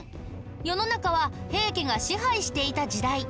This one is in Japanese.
世の中は平家が支配していた時代。